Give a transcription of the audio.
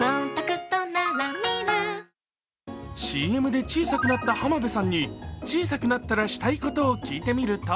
ＣＭで小さくなった浜辺さんに小さくなったらしたいことを聞いてみると